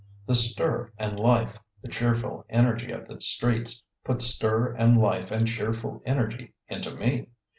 The stir and life, the cheerful energy of the streets, put stir and life and cheerful energy into me.